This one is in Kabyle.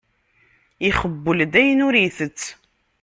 Ixebbel-d ayen ur itett.